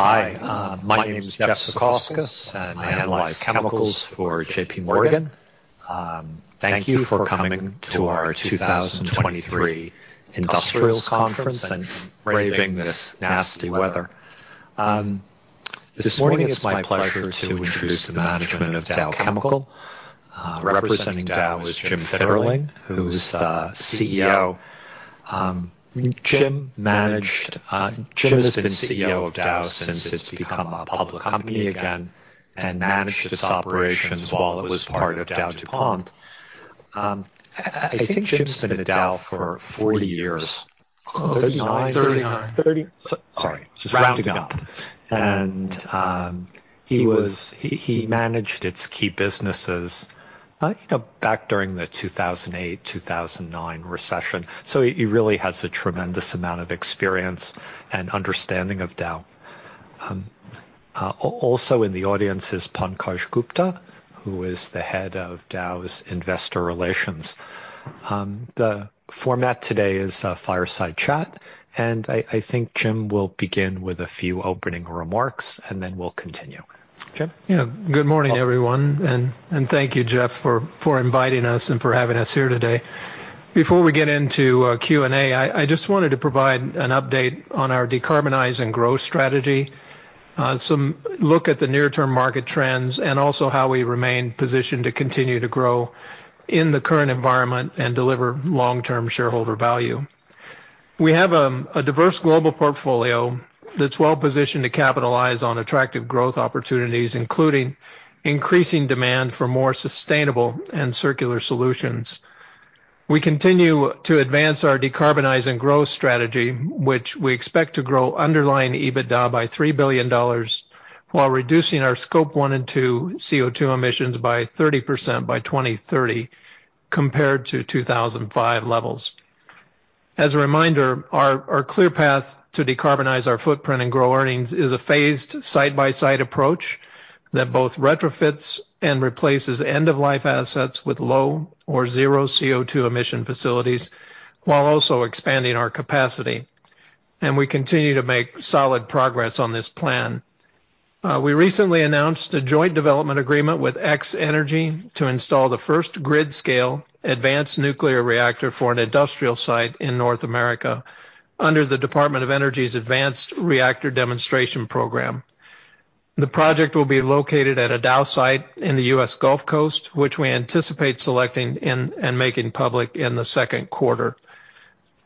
Hi, my name is Jeff Zekauskas, and I analyze chemicals for JPMorgan. Thank you for coming to our 2023 Industrials Conference and braving this nasty weather. This morning it's my pleasure to introduce the management of Dow Chemical. Representing Dow is Jim Fitterling, who's the CEO. Jim has been CEO of Dow since it's become a public company again and managed its operations while it was part of DowDuPont. I think Jim's been at Dow for 40 years. 39? 39. Sorry, just rounding up. He managed its key businesses, you know, back during the 2008, 2009 recession. He really has a tremendous amount of experience and understanding of Dow. Also in the audience is Pankaj Gupta, who is the head of Dow's Investor Relations. The format today is a fireside chat. I think Jim will begin with a few opening remarks, then we'll continue. Jim? Good morning, everyone, and thank you, Jeff, for inviting us and for having us here today. Before we get into Q&A, I just wanted to provide an update on our Decarbonize and Grow strategy. Some look at the near-term market trends and also how we remain positioned to continue to grow in the current environment and deliver long-term shareholder value. We have a diverse global portfolio that's well-positioned to capitalize on attractive growth opportunities, including increasing demand for more sustainable and circular solutions. We continue to advance our Decarbonize and Grow strategy, which we expect to grow underlying EBITDA by $3 billion while reducing our Scope one and two CO2 emissions by 30% by 2030 compared to 2005 levels. As a reminder, our clear path to Decarbonize and Grow our footprint and grow earnings is a phased side-by-side approach that both retrofits and replaces end-of-life assets with low or zero CO2 emission facilities while also expanding our capacity, and we continue to make solid progress on this plan. We recently announced a joint development agreement with X-energy to install the first grid scale advanced nuclear reactor for an industrial site in North America under the U.S. Department of Energy's Advanced Reactor Demonstration Program. The project will be located at a Dow site in the U.S. Gulf Coast, which we anticipate selecting and making public in the second quarter.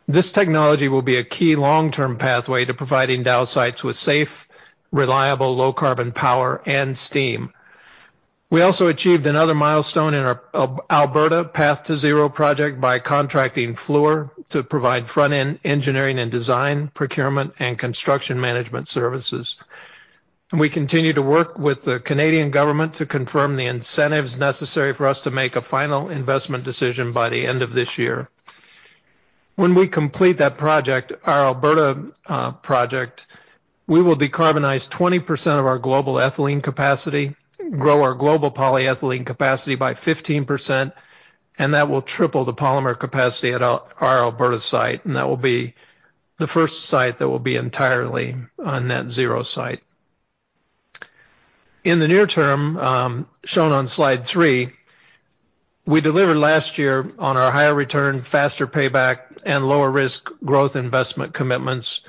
This technology will be a key long-term pathway to providing Dow sites with safe, reliable, low carbon power and steam. We also achieved another milestone in our Alberta Path2Zero project by contracting Fluor to provide front-end engineering and design, procurement, and construction management services. We continue to work with the Canadian government to confirm the incentives necessary for us to make a final investment decision by the end of this year. When we complete that project, our Alberta project, we will decarbonize 20% of our global ethylene capacity, grow our global polyethylene capacity by 15%, and that will triple the polymer capacity at our Alberta site, and that will be the first site that will be entirely a net zero site. In the near term, shown on slide three, we delivered last year on our higher return, faster payback, and lower risk growth investment commitments,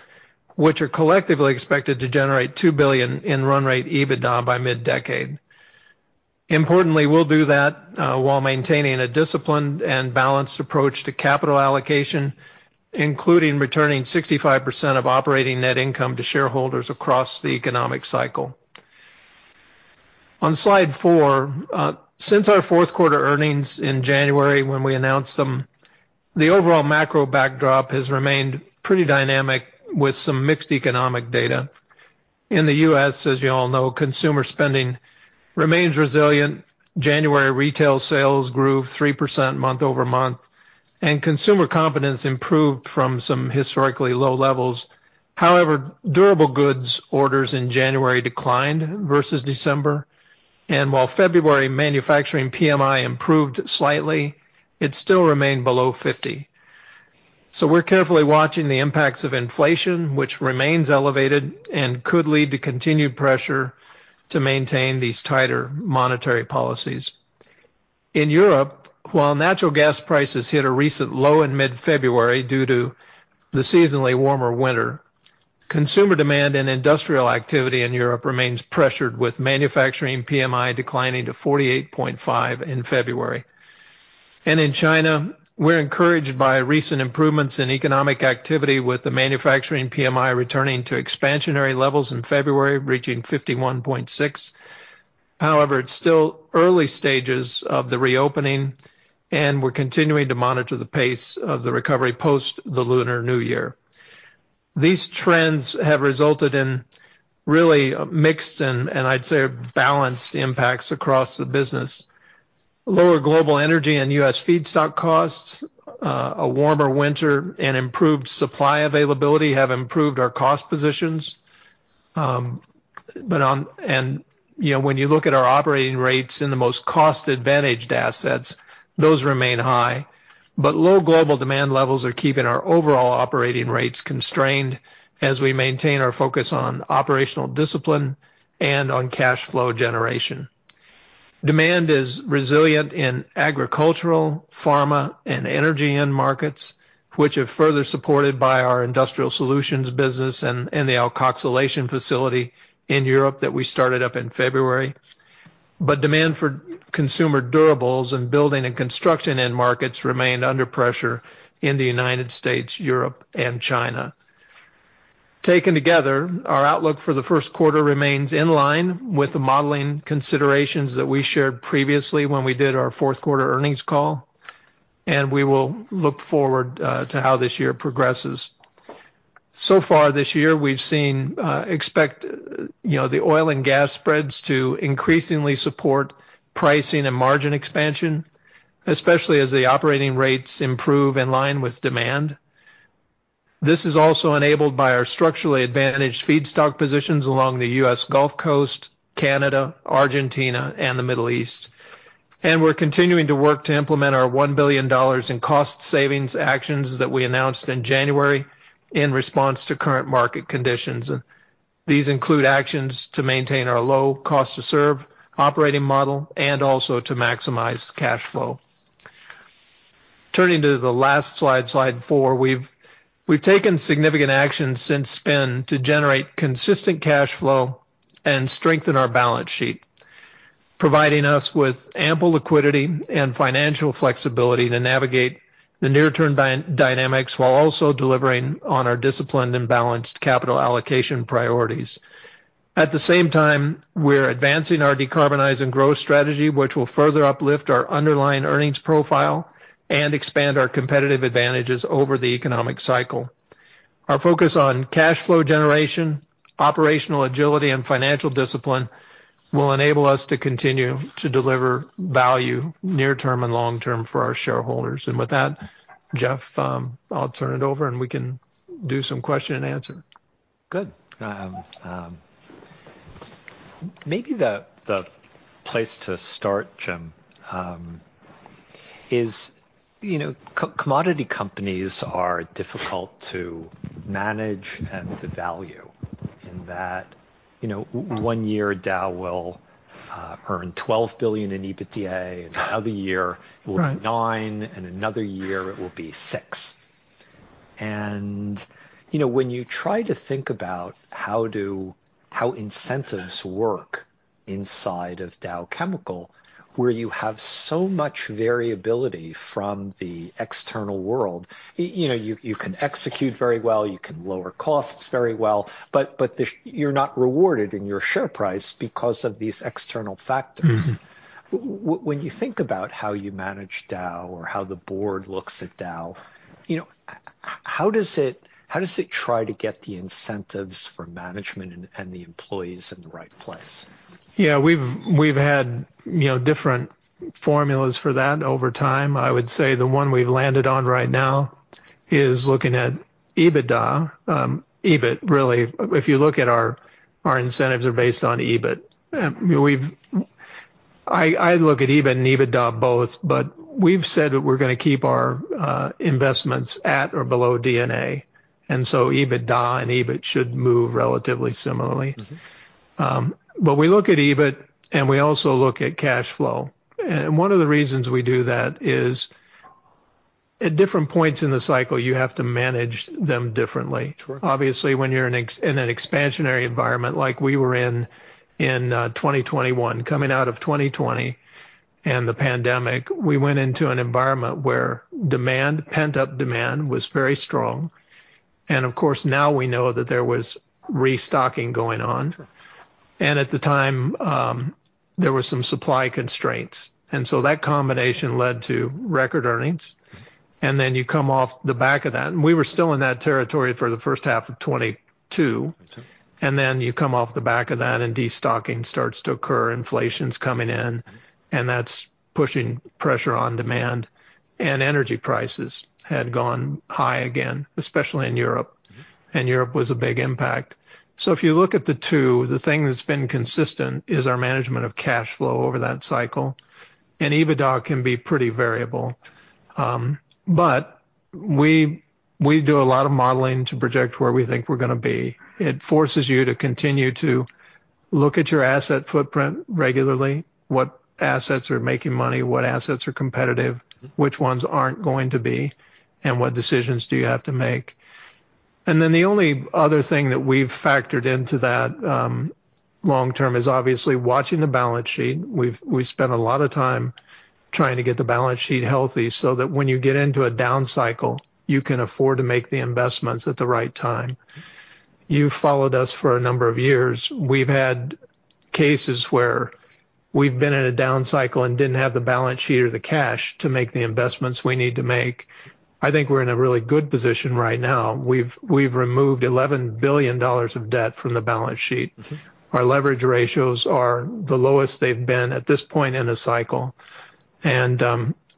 which are collectively expected to generate $2 billion in run rate EBITDA by mid-decade. Importantly, we'll do that while maintaining a disciplined and balanced approach to capital allocation, including returning 65% of operating net income to shareholders across the economic cycle. On slide four, since our fourth quarter earnings in January when we announced them, the overall macro backdrop has remained pretty dynamic with some mixed economic data. In the U.S., as you all know, consumer spending remains resilient. January retail sales grew 3% month-over-month, and consumer confidence improved from some historically low levels. However, durable goods orders in January declined versus December, and while February manufacturing PMI improved slightly, it still remained below 50. We're carefully watching the impacts of inflation, which remains elevated and could lead to continued pressure to maintain these tighter monetary policies. In Europe, while natural gas prices hit a recent low in mid-February due to the seasonally warmer winter, consumer demand and industrial activity in Europe remains pressured, with manufacturing PMI declining to 48.5 in February. In China, we're encouraged by recent improvements in economic activity with the manufacturing PMI returning to expansionary levels in February, reaching 51.6. However, it's still early stages of the reopening, and we're continuing to monitor the pace of the recovery post the Lunar New Year. These trends have resulted in really mixed and I'd say balanced impacts across the business. Lower global energy and U.S. feedstock costs, a warmer winter, and improved supply availability have improved our cost positions. You know, when you look at our operating rates in the most cost-advantaged assets, those remain high. Low global demand levels are keeping our overall operating rates constrained as we maintain our focus on operational discipline and on cash flow generation. Demand is resilient in agricultural, pharma, and energy end markets, which are further supported by our Industrial Solutions business and the alkoxylation facility in Europe that we started up in February. Demand for consumer durables and building and construction end markets remained under pressure in the United States, Europe, and China. Taken together, our outlook for the first quarter remains in line with the modeling considerations that we shared previously when we did our fourth quarter earnings call, and we will look forward to how this year progresses. Far this year, we've seen, you know, the oil and gas spreads to increasingly support pricing and margin expansion, especially as the operating rates improve in line with demand. This is also enabled by our structurally advantaged feedstock positions along the U.S. Gulf Coast, Canada, Argentina, and the Middle East. We're continuing to work to implement our $1 billion in cost savings actions that we announced in January in response to current market conditions. These include actions to maintain our low cost to serve operating model and also to maximize cash flow. Turning to the last slide four. We've taken significant action since spin to generate consistent cash flow and strengthen our balance sheet, providing us with ample liquidity and financial flexibility to navigate the near-term dynamics while also delivering on our disciplined and balanced capital allocation priorities. At the same time, we're advancing our Decarbonize and Grow strategy, which will further uplift our underlying earnings profile and expand our competitive advantages over the economic cycle. Our focus on cash flow generation, operational agility, and financial discipline will enable us to continue to deliver value near term and long term for our shareholders. With that, Jeff, I'll turn it over, and we can do some question and answer. Good. Maybe the place to start, Jim, is, you know, commodity companies are difficult to manage and to value in that, you know, one year Dow will earn $12 billion in EBITDA. Right. The other year it will be nine, and another year it will be six. You know, when you try to think about how incentives work inside of Dow Chemical, where you have so much variability from the external world, you know, you can execute very well, you can lower costs very well, but you're not rewarded in your share price because of these external factors. Mm-hmm. When you think about how you manage Dow or how the board looks at Dow, you know, how does it try to get the incentives for management and the employees in the right place? Yeah, we've had, you know, different formulas for that over time. I would say the one we've landed on right now is looking at EBITDA. EBIT really. If you look at our incentives are based on EBIT. I look at EBIT and EBITDA both, but we've said that we're gonna keep our investments at or below D&A. EBITDA and EBIT should move relatively similarly. Mm-hmm. We look at EBIT and we also look at cash flow. One of the reasons we do that is at different points in the cycle, you have to manage them differently. Sure. Obviously, when you're in an expansionary environment like we were in in 2021, coming out of 2020 and the pandemic, we went into an environment where demand, pent-up demand was very strong. Of course, now we know that there was restocking going on. Sure. At the time, there were some supply constraints. That combination led to record earnings. You come off the back of that. We were still in that territory for the first half of 2022. Sure. You come off the back of that and destocking starts to occur, inflation's coming in, and that's pushing pressure on demand, and energy prices had gone high again, especially in Europe. Mm-hmm. Europe was a big impact. If you look at the two, the thing that's been consistent is our management of cash flow over that cycle. EBITDA can be pretty variable. But we do a lot of modeling to project where we think we're gonna be. It forces you to continue to look at your asset footprint regularly, what assets are making money, what assets are competitive... Mm-hmm ... which ones aren't going to be, and what decisions do you have to make. The only other thing that we've factored into that long term is obviously watching the balance sheet. We've spent a lot of time trying to get the balance sheet healthy so that when you get into a down cycle, you can afford to make the investments at the right time. You followed us for a number of years. We've had cases where we've been in a down cycle and didn't have the balance sheet or the cash to make the investments we need to make. I think we're in a really good position right now. We've removed $11 billion of debt from the balance sheet. Mm-hmm. Our leverage ratios are the lowest they've been at this point in a cycle.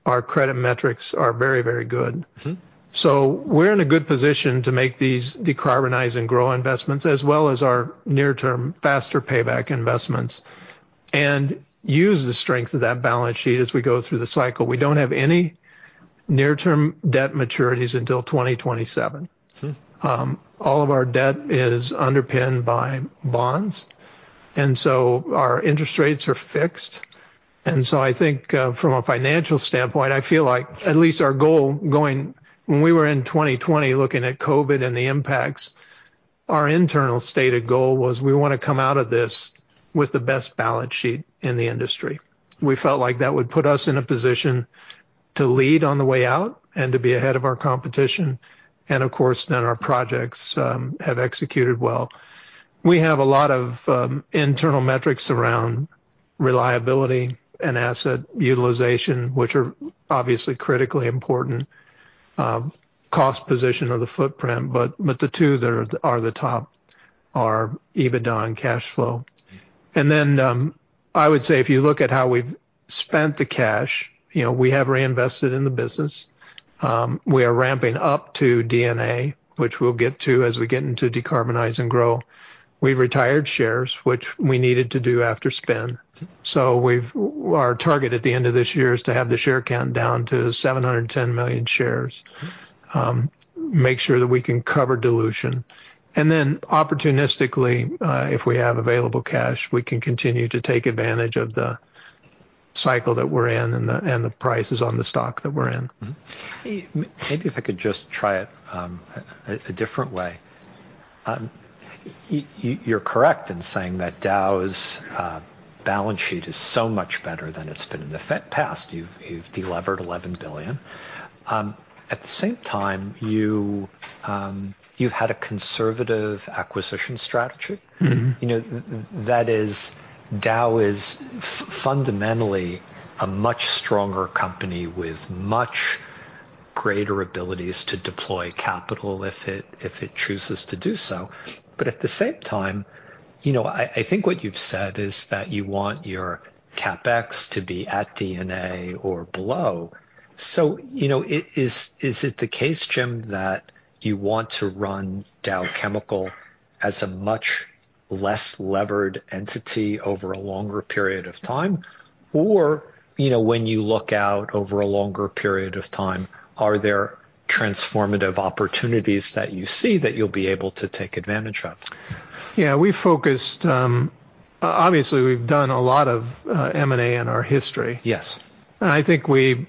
Our credit metrics are very, very good. Mm-hmm. We're in a good position to make these Decarbonize and Grow investments as well as our near-term faster payback investments and use the strength of that balance sheet as we go through the cycle. We don't have any near-term debt maturities until 2027. Mm-hmm. All of our debt is underpinned by bonds, and so our interest rates are fixed. I think from a financial standpoint, I feel like at least our goal When we were in 2020 looking at COVID and the impacts, our internal stated goal was we wanna come out of this with the best balance sheet in the industry. We felt like that would put us in a position to lead on the way out and to be ahead of our competition. Of course, then our projects have executed well. We have a lot of internal metrics around reliability and asset utilization, which are obviously critically important, cost position of the footprint, but the two that are the top are EBITDA and cash flow. I would say if you look at how we've spent the cash, you know, we have reinvested in the business. We are ramping up to D&A, which we'll get to as we get into Decarbonize and Grow. We've retired shares, which we needed to do after spin. Our target at the end of this year is to have the share count down to 710 million shares. Make sure that we can cover dilution. Opportunistically, if we have available cash, we can continue to take advantage of the cycle that we're in and the prices on the stock that we're in. Maybe if I could just try it a different way. You're correct in saying that Dow's balance sheet is so much better than it's been in the past. You've delevered $11 billion. At the same time, you've had a conservative acquisition strategy. Mm-hmm. You know, that is Dow is fundamentally a much stronger company with much greater abilities to deploy capital if it chooses to do so. At the same time, you know, I think what you've said is that you want your CapEx to be at D&A or below. You know, is it the case, Jim, that you want to run Dow Chemical as a much less levered entity over a longer period of time? You know, when you look out over a longer period of time, are there transformative opportunities that you see that you'll be able to take advantage of? Yeah. We focused, obviously, we've done a lot of M&A in our history. Yes. I think we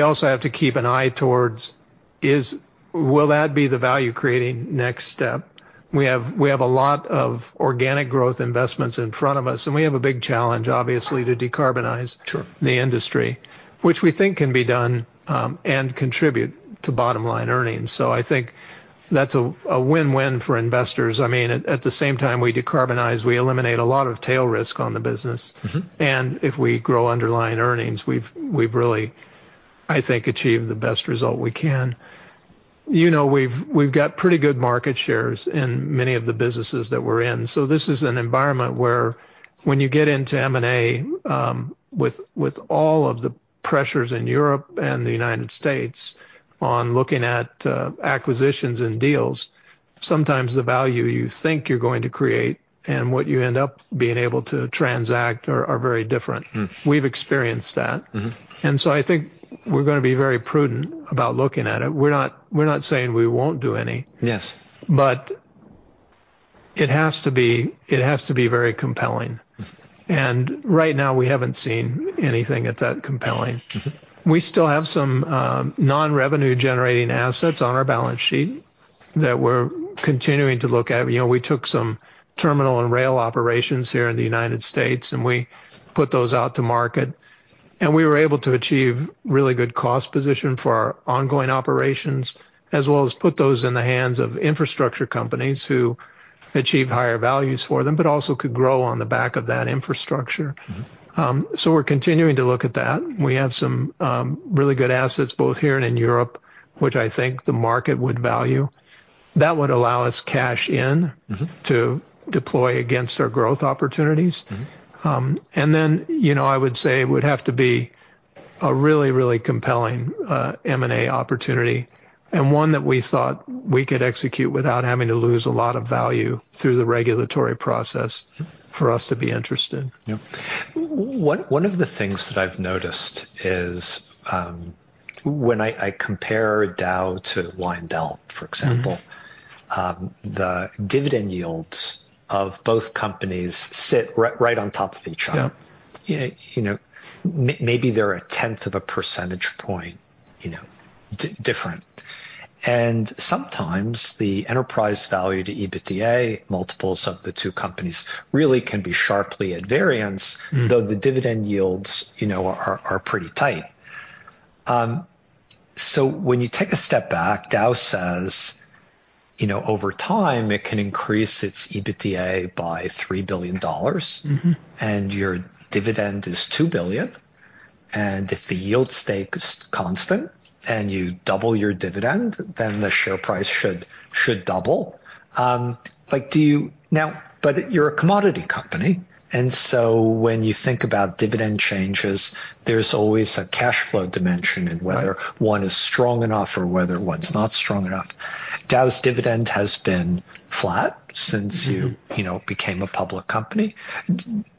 also have to keep an eye towards is will that be the value-creating next step? We have a lot of organic growth investments in front of us, and we have a big challenge, obviously, to decarbonize... Sure... the industry, which we think can be done, and contribute to bottom line earnings. I think that's a win-win for investors. I mean, at the same time we decarbonize, we eliminate a lot of tail risk on the business. Mm-hmm. If we grow underlying earnings, we've really, I think, achieved the best result we can. You know, we've got pretty good market shares in many of the businesses that we're in. This is an environment where when you get into M&A, with all of the pressures in Europe and the United States on looking at acquisitions and deals, sometimes the value you think you're going to create and what you end up being able to transact are very different. Hmm. We've experienced that. Mm-hmm. I think we're gonna be very prudent about looking at it. We're not saying we won't do any. Yes. It has to be very compelling. Mm-hmm. Right now we haven't seen anything yet that compelling. Mm-hmm. We still have some non-revenue generating assets on our balance sheet that we're continuing to look at. You know, we took some terminal and rail operations here in the United States, and we put those out to market, and we were able to achieve really good cost position for our ongoing operations as well as put those in the hands of infrastructure companies who achieve higher values for them, but also could grow on the back of that infrastructure. Mm-hmm. We're continuing to look at that. We have some really good assets both here and in Europe, which I think the market would value. That would allow us cash in... Mm-hmm ...to deploy against our growth opportunities. Mm-hmm. You know, I would say it would have to be a really, really compelling M&A opportunity and one that we thought we could execute without having to lose a lot of value through the regulatory process for us to be interested. Yep. One of the things that I've noticed is, when I compare Dow to Lyondell, for example. Mm-hmm The dividend yields of both companies sit right on top of each other. Yep. You know, you know, maybe they're 1/10 of a percentage point, you know, different. Sometimes the enterprise value to EBITDA multiples of the two companies really can be sharply at variance. Mm. The dividend yields, you know, are pretty tight. When you take a step back, Dow says, you know, over time, it can increase its EBITDA by $3 billion. Mm-hmm. Your dividend is $2 billion. If the yield stay constant you double your dividend, then the share price should double. like, You're a commodity company, when you think about dividend changes, there's always a cashflow dimension in whether... Right... one is strong enough or whether one's not strong enough. Dow's dividend has been flat since... Mm-hmm... you know, became a public company.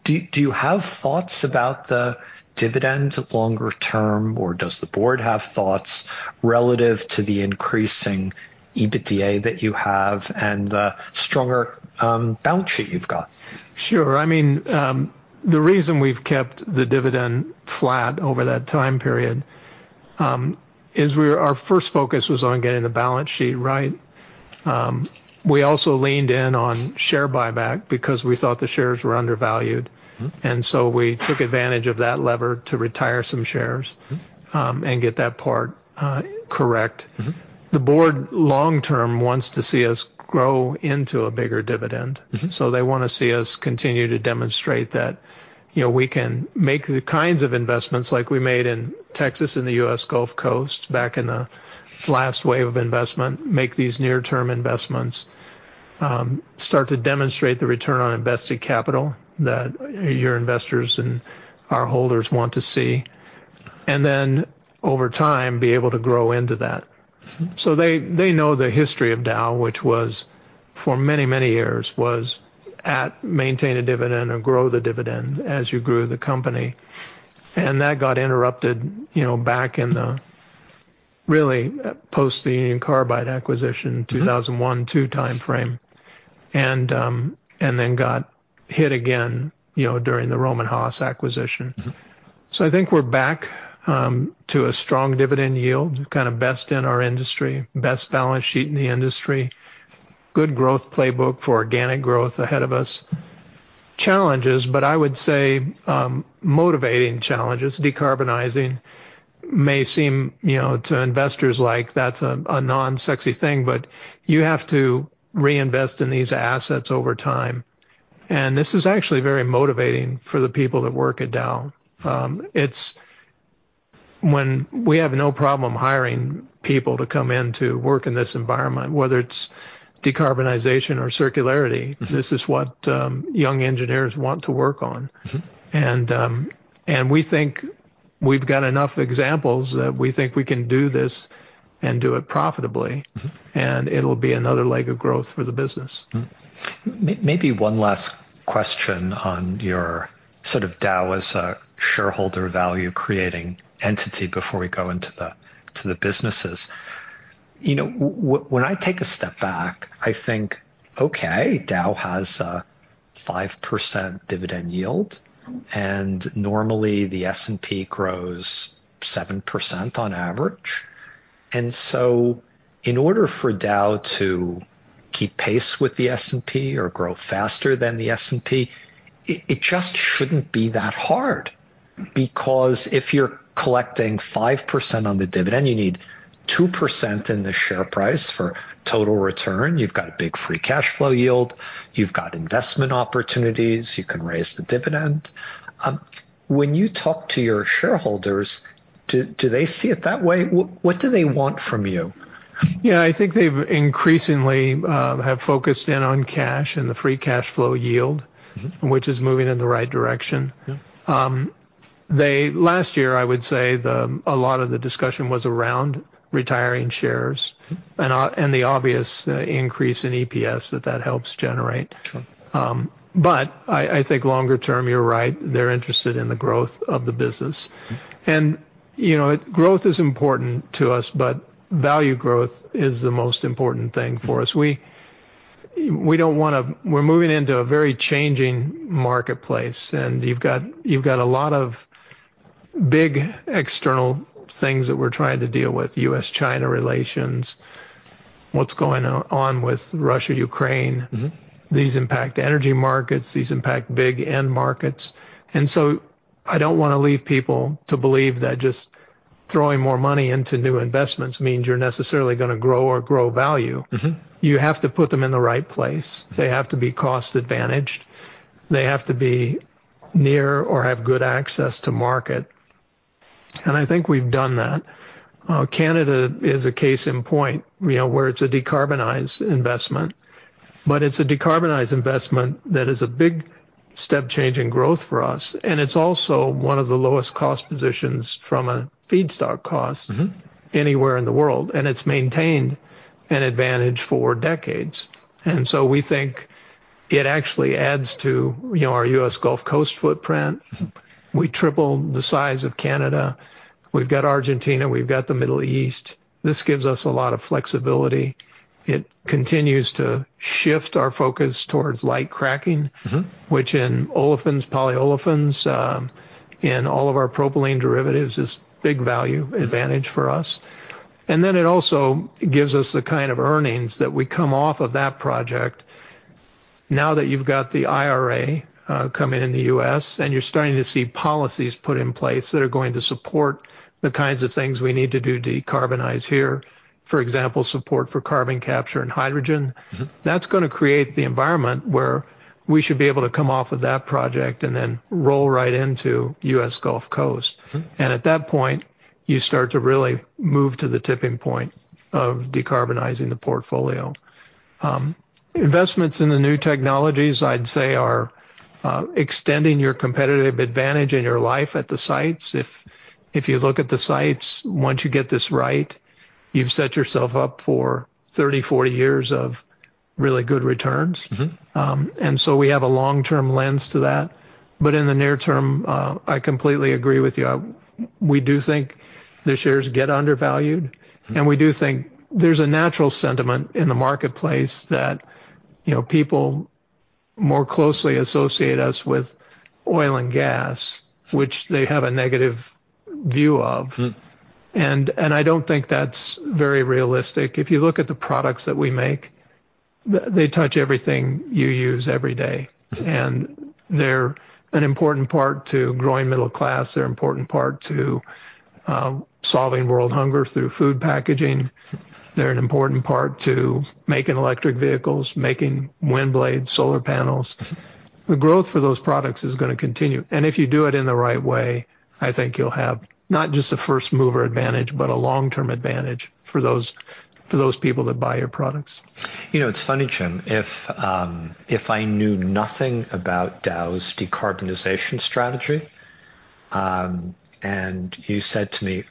Do you have thoughts about the dividend longer term, or does the board have thoughts relative to the increasing EBITDA that you have and the stronger balance sheet you've got? Sure. I mean, the reason we've kept the dividend flat over that time period, is our first focus was on getting the balance sheet right. We also leaned in on share buyback because we thought the shares were undervalued. Mm-hmm. We took advantage of that lever to retire some shares... Mm-hmm... and get that part, correct. Mm-hmm. The board long term wants to see us grow into a bigger dividend. Mm-hmm. They wanna see us continue to demonstrate that, you know, we can make the kinds of investments like we made in Texas and the U.S. Gulf Coast back in the last wave of investment, make these near-term investments, start to demonstrate the return on invested capital that your investors and our holders want to see, and then over time be able to grow into that. Mm-hmm. They know the history of Dow, which was for many, many years was at maintain a dividend or grow the dividend as you grew the company, and that got interrupted, you know, back in the really, post the Union Carbide acquisition... Mm-hmm... 2001, 2002 timeframe. Then got hit again, you know, during the Rohm and Haas acquisition. Mm-hmm. I think we're back to a strong dividend yield, kind of best in our industry, best balance sheet in the industry, good growth playbook for organic growth ahead of us. Challenges, I would say motivating challenges. Decarbonizing may seem, you know, to investors like that's a non-sexy thing, but you have to reinvest in these assets over time. This is actually very motivating for the people that work at Dow. We have no problem hiring people to come in to work in this environment, whether it's decarbonization or circularity. Mm-hmm. This is what, young engineers want to work on. Mm-hmm. We think we've got enough examples that we think we can do this and do it profitably. Mm-hmm. It'll be another leg of growth for the business. Maybe one last question on your sort of Dow as a shareholder value-creating entity before we go to the businesses. You know, when I take a step back, I think, okay, Dow has a 5% dividend yield. Normally the S&P grows 7% on average. In order for Dow to keep pace with the S&P or grow faster than the S&P, it just shouldn't be that hard, because if you're collecting 5% on the dividend, you need 2% in the share price for total return. You've got a big free cashflow yield. You've got investment opportunities. You can raise the dividend. When you talk to your shareholders, do they see it that way? What do they want from you? Yeah. I think they've increasingly have focused in on cash and the free cashflow yield... Mm-hmm ...which is moving in the right direction. Yeah. Last year, I would say the, a lot of the discussion was around retiring shares... Mm-hmm... and the obvious, increase in EPS that helps generate. Sure. I think longer term, you're right, they're interested in the growth of the business. You know, growth is important to us, but value growth is the most important thing for us. We don't wanna. We're moving into a very changing marketplace, and you've got a lot of big external things that we're trying to deal with, U.S.-China relations, what's going on with Russia-Ukraine. Mm-hmm. These impact energy markets. These impact big end markets. I don't wanna leave people to believe that just throwing more money into new investments means you're necessarily gonna grow or grow value. Mm-hmm. You have to put them in the right place. They have to be cost-advantaged. They have to be near or have good access to market. I think we've done that. Canada is a case in point, you know, where it's a decarbonized investment, but it's a decarbonized investment that is a big step change in growth for us, and it's also one of the lowest cost positions from a feedstock... Mm-hmm ...anywhere in the world, and it's maintained an advantage for decades. We think it actually adds to, you know, our U.S. Gulf Coast footprint. Mm-hmm. We triple the size of Canada. We've got Argentina. We've got the Middle East. This gives us a lot of flexibility. It continues to shift our focus towards light cracking. Mm-hmm Which in olefins, polyolefins, in all of our propylene derivatives is big value advantage for us. It also gives us the kind of earnings that we come off of that project. You've got the IRA coming in the U.S., and you're starting to see policies put in place that are going to support the kinds of things we need to do to decarbonize here, for example, support for carbon capture and hydrogen. Mm-hmm. That's gonna create the environment where we should be able to come off of that project and then roll right into U.S. Gulf Coast. Mm-hmm. At that point, you start to really move to the tipping point of decarbonizing the portfolio. Investments in the new technologies, I'd say, are extending your competitive advantage in your life at the sites. If you look at the sites, once you get this right, you've set yourself up for 30, 40 years of really good returns. Mm-hmm. We have a long-term lens to that. In the near term, I completely agree with you. We do think the shares get undervalued, and we do think there's a natural sentiment in the marketplace that, you know, people more closely associate us with oil and gas. Sure. which they have a negative view of. Mm-hmm. I don't think that's very realistic. If you look at the products that we make, they touch everything you use every day. Mm-hmm. They're an important part to growing middle class. They're an important part to solving world hunger through food packaging. They're an important part to making electric vehicles, making wind blades, solar panels. The growth for those products is gonna continue. If you do it in the right way, I think you'll have not just a first-mover advantage, but a long-term advantage for those people that buy your products. You know, it's funny, Jim, if I knew nothing about Dow's decarbonization strategy, and you said to me,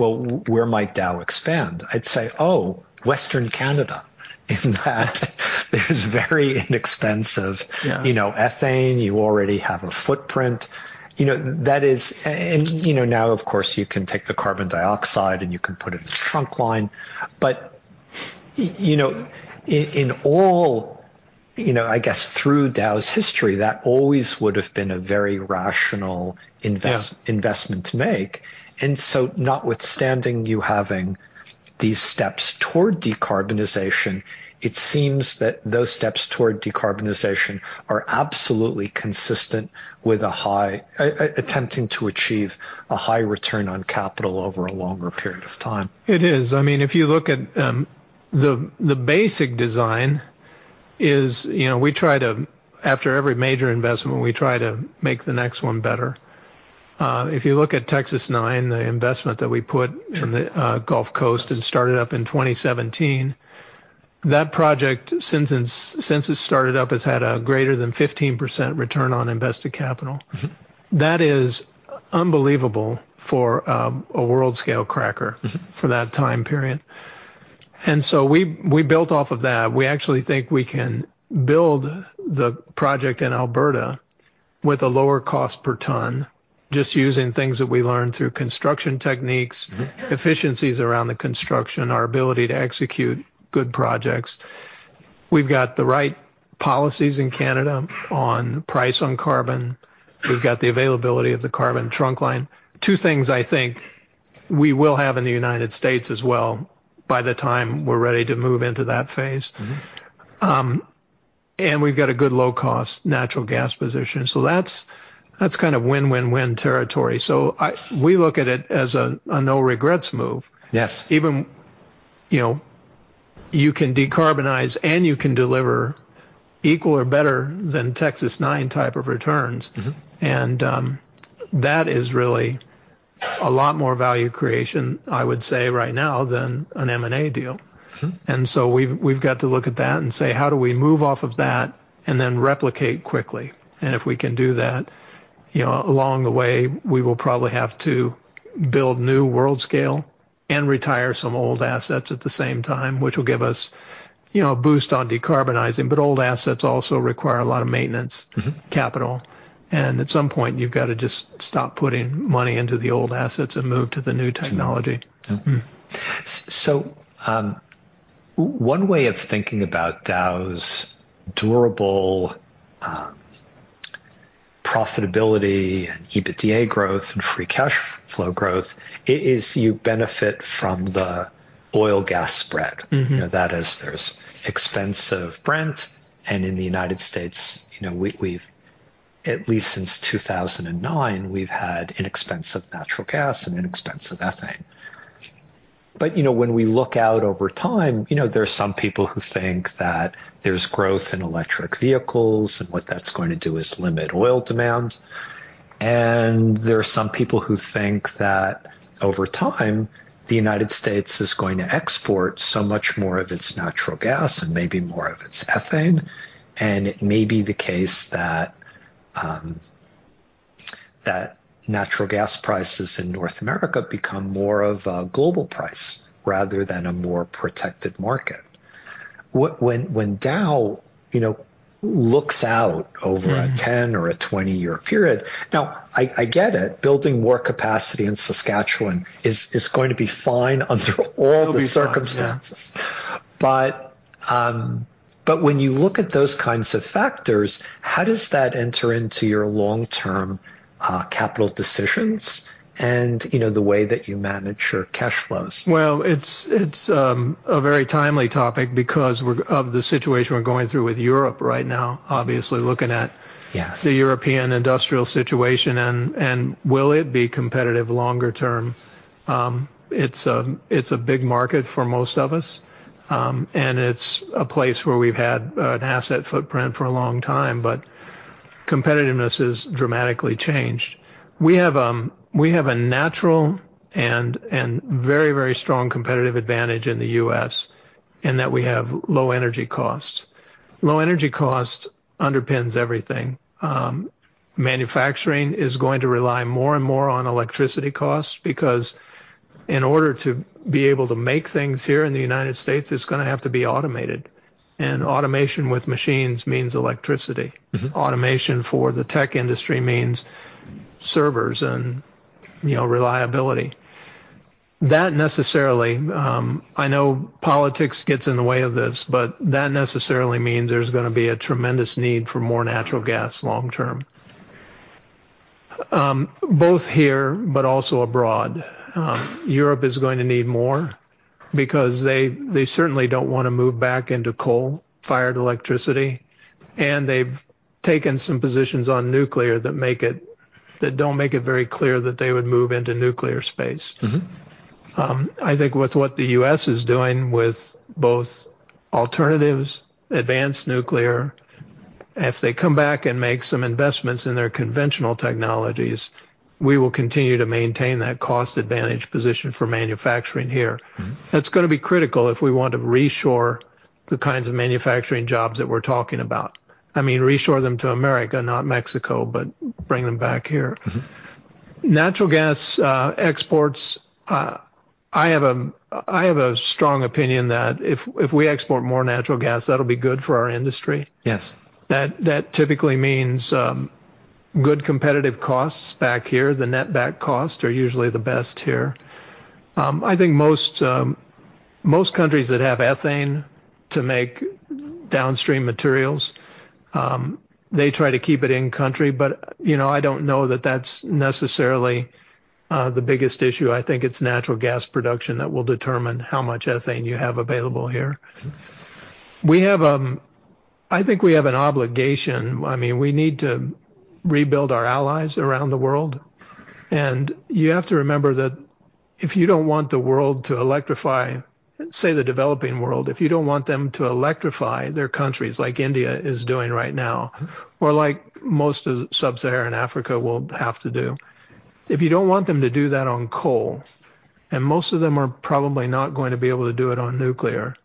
"Well, where might Dow expand?" I'd say, "Oh, Western Canada," in that there's very inexpensive. Yeah. You know, ethane. You already have a footprint. You know, now, of course, you can take the carbon dioxide, and you can put it in a trunk line. You know, in all, you know, I guess through Dow's history, that always would've been a very rational. Yeah... investment to make. Notwithstanding you having these steps toward decarbonization, it seems that those steps toward decarbonization are absolutely consistent with attempting to achieve a high return on capital over a longer period of time. It is. I mean, if you look at the basic design is, you know, After every major investment, we try to make the next one better. If you look at Texas-9, the investment that we put in the Gulf Coast and started up in 2017, that project, since it started up, has had a greater than 15% return on invested capital. Mm-hmm. That is unbelievable for a world-scale cracker... Mm-hmm ...for that time period. We built off of that. We actually think we can build the project in Alberta with a lower cost per ton just using things that we learned through construction techniques. Mm-hmm Efficiencies around the construction, our ability to execute good projects. We've got the right policies in Canada on price on carbon. We've got the availability of the carbon trunk line. Two things I think we will have in the United States as well by the time we're ready to move into that phase. Mm-hmm. We've got a good low-cost natural gas position. That's, that's kind of win-win-win territory. We look at it as a no regrets move. Yes. Even you know, you can decarbonize and you can deliver equal or better than Texas-9 type of returns. Mm-hmm. That is really a lot more value creation, I would say right now, than an M&A deal. Mm-hmm. We've got to look at that and say, "How do we move off of that and then replicate quickly?" If we can do that, you know, along the way, we will probably have to build new world scale and retire some old assets at the same time, which will give us, you know, a boost on decarbonizing. Old assets also require a lot of maintenance... Mm-hmm... capital. At some point, you've got to just stop putting money into the old assets and move to the new technology. One way of thinking about Dow's durable profitability and EBITDA growth and free cash flow growth is you benefit from the oil gas spread. Mm-hmm. You know, that is there's expensive Brent, and in the United States, you know, we've, at least since 2009, we've had inexpensive natural gas and inexpensive ethane. When we look out over time, you know, there are some people who think that there's growth in electric vehicles, and what that's going to do is limit oil demand. There are some people who think that over time, the United States is going to export so much more of its natural gas and maybe more of its ethane. It may be the case that natural gas prices in North America become more of a global price rather than a more protected market. When Dow, you know, looks out over... Mm-hmm ...a 10 or a 20-year period. Now, I get it. Building more capacity in Saskatchewan is going to be fine under all the circumstances. It'll be fine, yeah. When you look at those kinds of factors, how does that enter into your long-term capital decisions and, you know, the way that you manage your cash flows? Well, it's a very timely topic because we're of the situation we're going through with Europe right now, obviously looking at... Yes... the European industrial situation and will it be competitive longer term? It's a, it's a big market for most of us, and it's a place where we've had an asset footprint for a long time. But competitiveness has dramatically changed. We have a, we have a natural and very strong competitive advantage in the U.S. in that we have low energy costs. Low energy cost underpins everything. Manufacturing is going to rely more and more on electricity costs because in order to be able to make things here in the United States, it's gonna have to be automated. Automation with machines means electricity. Mm-hmm. Automation for the tech industry means servers and, you know, reliability. That necessarily, I know politics gets in the way of this, but that necessarily means there's gonna be a tremendous need for more natural gas long term. Both here but also abroad. Europe is going to need more because they certainly don't wanna move back into coal-fired electricity, and they've taken some positions on nuclear that don't make it very clear that they would move into nuclear space. Mm-hmm. I think with what the U.S. is doing with both alternatives, advanced nuclear, if they come back and make some investments in their conventional technologies, we will continue to maintain that cost advantage position for manufacturing here. Mm-hmm. That's gonna be critical if we want to reshore the kinds of manufacturing jobs that we're talking about. I mean, reshore them to America, not Mexico, but bring them back here. Mm-hmm. Natural gas exports, I have a strong opinion that if we export more natural gas that'll be good for our industry. Yes. That typically means good competitive costs back here. The net back costs are usually the best here. I think most countries that have ethane to make downstream materials, they try to keep it in country but, you know, I don't know that that's necessarily the biggest issue. I think it's natural gas production that will determine how much ethane you have available here. We have, I think we have an obligation. I mean, we need to rebuild our allies around the world and you have to remember that if you don't want the world to electrify, say the developing world, if you don't want them to electrify their countries like India is doing right now or like most of sub-Saharan Africa will have to do, if you don't want them to do that on coal, and most of them are probably not going to be able to do it on nuclear,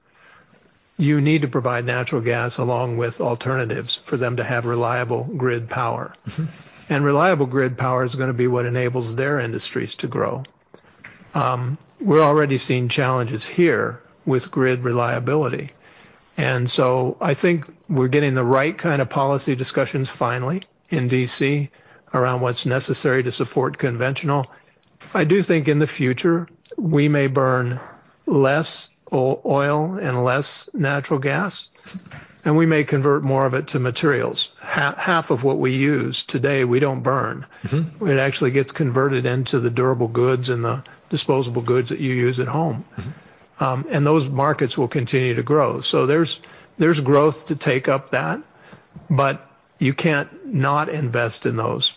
you need to provide natural gas along with alternatives for them to have reliable grid power. Mm-hmm. Reliable grid power is going to be what enables their industries to grow. We're already seeing challenges here with grid reliability. I think we're getting the right kind of policy discussions finally in D.C. around what's necessary to support conventional. I do think in the future we may burn less oil and less natural gas... Mm-hmm... and we may convert more of it to materials. Half of what we use today we don't burn. Mm-hmm. It actually gets converted into the durable goods and the disposable goods that you use at home. Mm-hmm. Those markets will continue to grow. There's growth to take up that, but you can't not invest in those.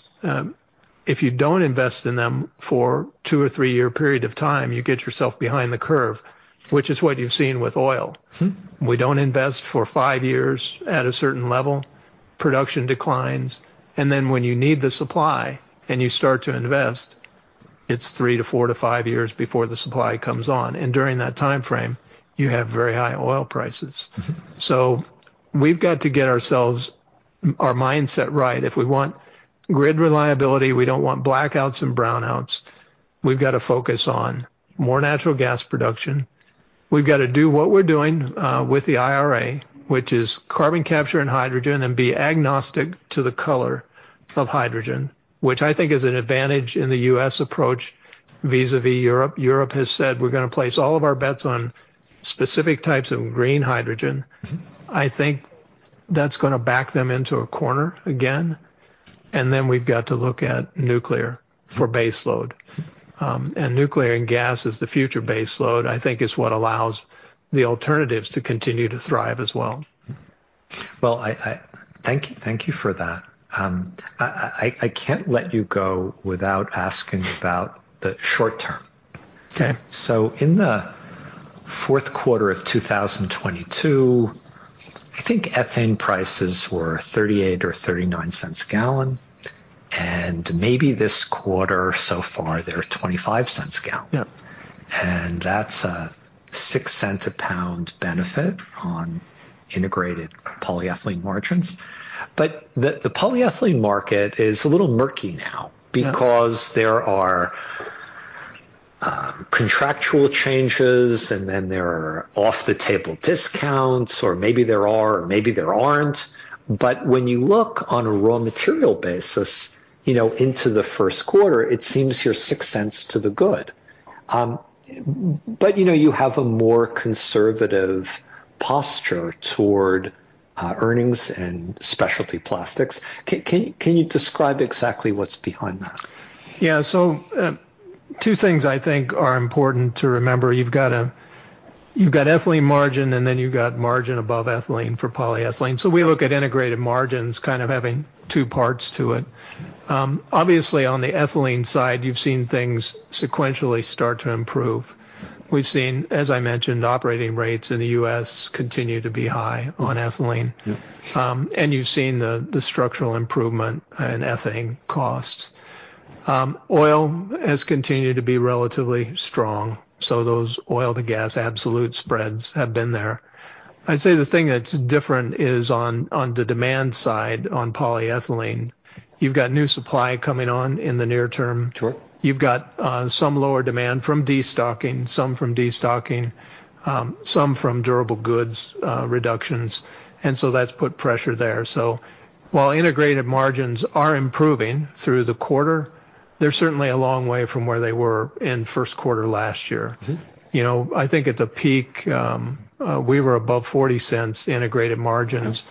If you don't invest in them for two or three-year period of time, you get yourself behind the curve, which is what you've seen with oil. Mm-hmm. We don't invest for five years at a certain level, production declines, and then when you need the supply and you start to invest, it's 3-4-5 years before the supply comes on. During that timeframe, you have very high oil prices. Mm-hmm. We've got to get ourselves, our mindset right. If we want grid reliability, we don't want blackouts and brownouts, we've got to focus on more natural gas production. We've got to do what we're doing with the IRA, which is carbon capture and hydrogen and be agnostic to the color of hydrogen, which I think is an advantage in the U.S. approach vis-à-vis Europe. Europe has said, "We're gonna place all of our bets on specific types of green hydrogen. Mm-hmm. I think that's gonna back them into a corner again, and then we've got to look at nuclear for base load. Nuclear and gas is the future base load, I think is what allows the alternatives to continue to thrive as well. Well, I. Thank you for that. I can't let you go without asking about the short term. Okay. In the fourth quarter of 2022, I think ethane prices were $0.38 or $0.39 a gallon, and maybe this quarter so far they're $0.25 a gallon. Yep. That's a $0.06 a pound benefit on integrated polyethylene margins. The polyethylene market is a little murky now. Yeah... because there are contractual changes, and then there are off-the-table discounts, or maybe there are or maybe there aren't. When you look on a raw material basis, you know, into the first quarter, it seems you're $0.06 to the good. You know, you have a more conservative posture toward earnings and specialty plastics. Can you describe exactly what's behind that? Yeah. Two things I think are important to remember. You've got ethylene margin, and then you've got margin above ethylene for polyethylene. We look at integrated margins kind of having two parts to it. Obviously on the ethylene side you've seen things sequentially start to improve. We've seen, as I mentioned, operating rates in the U.S. continue to be high on ethylene. Yeah. You've seen the structural improvement in ethane costs. Oil has continued to be relatively strong, so those oil to gas absolute spreads have been there. I'd say the thing that's different is on the demand side on polyethylene. You've got new supply coming on in the near term. Sure. You've got some lower demand from destocking, some from durable goods reductions, and so that's put pressure there. While integrated margins are improving through the quarter, they're certainly a long way from where they were in first quarter last year. Mm-hmm. You know, I think at the peak, we were above $0.40 integrated margins.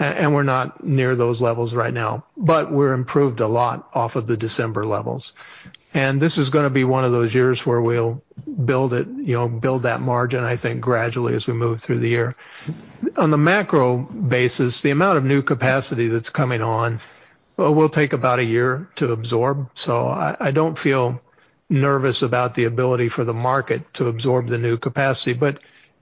Yeah. We're not near those levels right now, but we're improved a lot off of the December levels. This is gonna be one of those years where we'll build it, you know, build that margin, I think, gradually as we move through the year. On the macro basis, the amount of new capacity that's coming on, well, will take about a year to absorb. I don't feel nervous about the ability for the market to absorb the new capacity.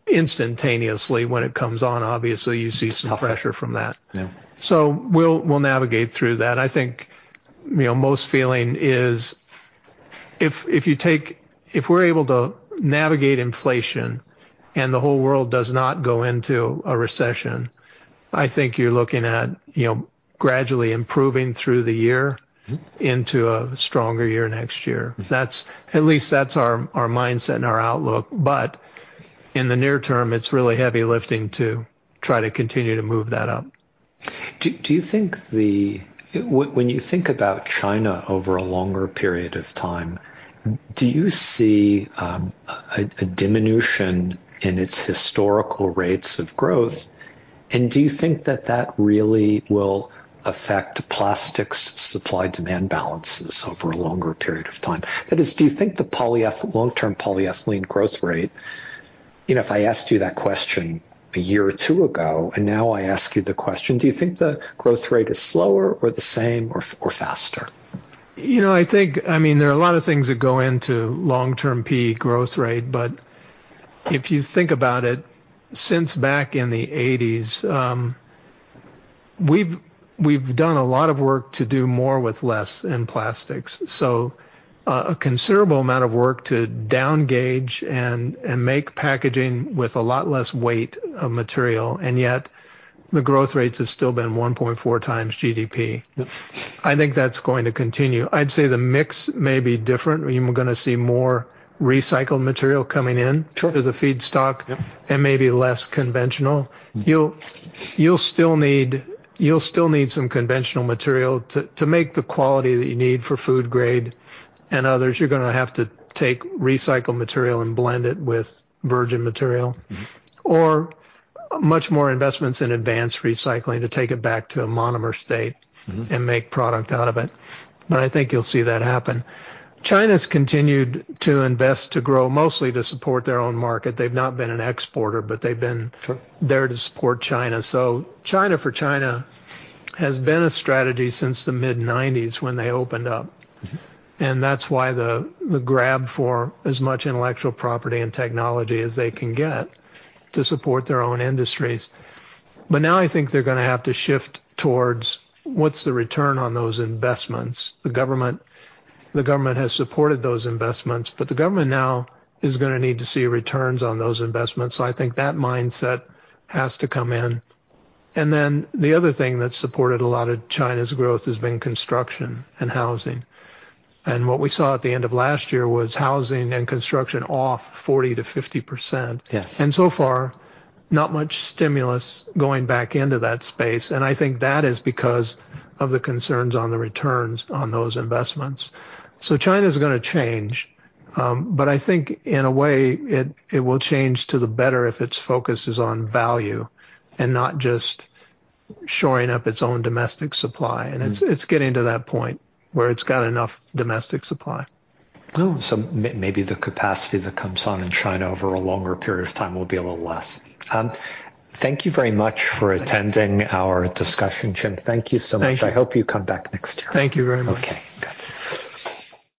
Instantaneously, when it comes on, obviously, you see some pressure from that. Yeah. We'll navigate through that. I think, you know, most feeling is if we're able to navigate inflation and the whole world does not go into a recession, I think you're looking at, you know, gradually improving through the year into a stronger year next year. At least that's our mindset and our outlook. In the near term, it's really heavy lifting to try to continue to move that up. When you think about China over a longer period of time, do you see a diminution in its historical rates of growth? Do you think that that really will affect plastics' supply-demand balances over a longer period of time? That is, do you think the long-term polyethylene growth rate? You know, if I asked you that question a year or two ago, Now I ask you the question, do you think the growth rate is slower or the same or faster? You know, I think, I mean, there are a lot of things that go into long-term PE growth rate. If you think about it, since back in the 1980s, we've done a lot of work to do more with less in plastics. A considerable amount of work to down gauge and make packaging with a lot less weight of material, and yet the growth rates have still been 1.4x GDP. Yeah. I think that's going to continue. I'd say the mix may be different. We gonna see more recycled material coming in... Sure ...to the feedstock. Yeah Maybe less conventional. You'll still need some conventional material to make the quality that you need for food grade and others. You're gonna have to take recycled material and blend it with virgin material. Mm-hmm. Much more investments in advanced recycling to take it back to a monomer state... Mm-hmm ...and make product out of it. I think you'll see that happen. China's continued to invest to grow, mostly to support their own market. They've not been an exporter, but they've been- Sure ...there to support China. China for China has been a strategy since the mid-nineties when they opened up. Mm-hmm. That's why the grab for as much intellectual property and technology as they can get to support their own industries. Now I think they're gonna have to shift towards what's the return on those investments. The government has supported those investments, but the government now is gonna need to see returns on those investments. I think that mindset has to come in. Then the other thing that supported a lot of China's growth has been construction and housing. What we saw at the end of last year was housing and construction off 40%-50%. Yes. So far, not much stimulus going back into that space, and I think that is because of the concerns on the returns on those investments. China's gonna change, but I think in a way it will change to the better if its focus is on value and not just shoring up its own domestic supply. It's getting to that point where it's got enough domestic supply. Maybe the capacity that comes on in China over a longer period of time will be a little less. Thank you very much for attending our discussion, Jim. Thank you so much. Thank you. I hope you come back next year. Thank you very much. Okay, good.